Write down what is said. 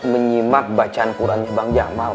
menyimak bacaan qurannya bang jamal